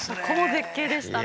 絶景でしたね。